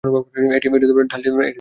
এটি ডালজাতিয় ফসল।